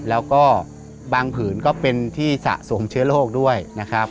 แล้วก็บางผืนก็เป็นที่สะสมเชื้อโรคด้วยนะครับ